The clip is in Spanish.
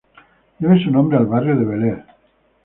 Debe su nombre al barrio de Bel-Air.